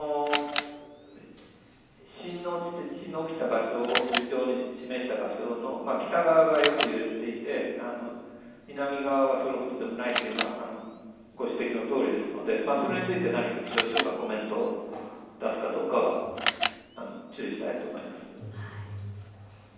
地震が起きた場所を地図上で示した場所、北側がよく起きていて南側はそれほどでもないというのはご指摘のとおりですのでそれについて何か気象庁がコメントを出すかどうかは注意したいと思います。